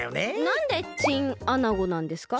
なんで「チン」アナゴなんですか？